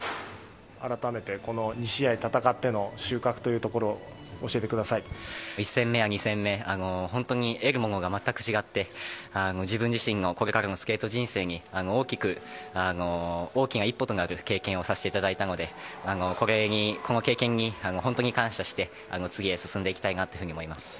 改めて、この２試合戦っての収穫を１戦目や２戦目本当に得るものが全く違って自分自身のこれからのスケート人生の大きな一歩となる経験をさせていただいたのでこの経験に本当に感謝して次へ進んでいきたいなと思います。